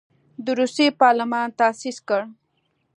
د روسیې پارلمان تاسیس کړ.